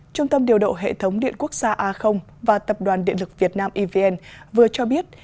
trung tâm điều độ hệ thống điện quốc gia a và tập đoàn điện lực việt nam evn vừa cho biết